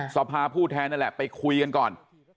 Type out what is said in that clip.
สภาผู้แทนนั่นแหละไปคุยกันก่อน